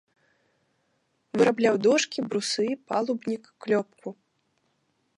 Вырабляў дошкі, брусы, палубнік, клёпку.